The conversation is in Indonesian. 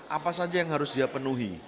apa saja yang harus dia penuhi